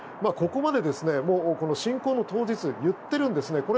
ここまで侵攻の当日に言ってるんですね。